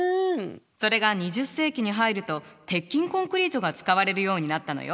それが２０世紀に入ると鉄筋コンクリートが使われるようになったのよ。